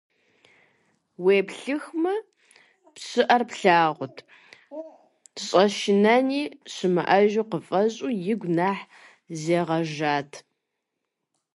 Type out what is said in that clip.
Уеплъыхмэ, пщыӀэр плъагъурт, щӀэшынэни щымыӀэжу къыфӀэщӀу, игу нэхъ зэгъэжат.